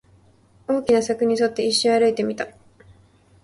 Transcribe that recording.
大きな柵に沿って、一周歩いてみた